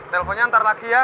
teleponnya ntar lagi ya